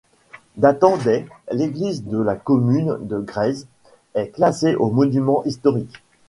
Datant des -, l'église de la commune de Grèzes est classée aux monuments historiques.